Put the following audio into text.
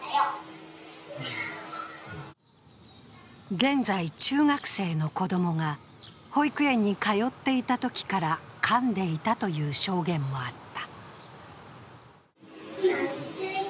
現在、中学生の子供が保育園に通っていたときからかんでいたという証言もあった。